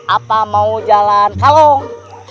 apa mau jalan kalong